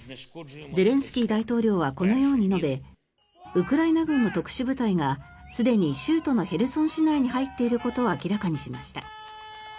ゼレンスキー大統領はこのように述べウクライナ軍の特殊部隊がすでに州都のヘルソン市内に入っていることを明らかにしました。